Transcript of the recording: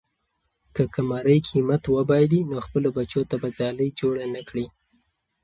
که قمرۍ همت وبایلي، نو خپلو بچو ته به ځالۍ جوړه نه کړي.